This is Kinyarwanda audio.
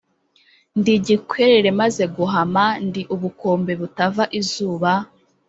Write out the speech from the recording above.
Ndi igikwerere maze guhama, ndi ubukombe butava izuba,